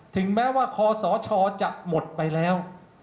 ถึงแม้ว่าคอสชจะหมดไปแล้ว